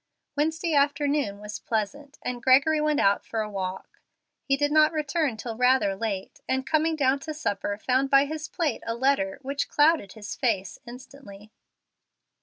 Wednesday afternoon was pleasant, and Gregory went out for a walk. He did not return till rather late, and, coming down to supper, found by his plate a letter which clouded his face instantly.